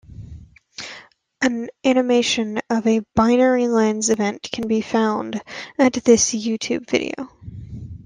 An animation of a binary lens event can be found at this YouTube video.